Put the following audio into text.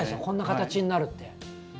こんな形になるって。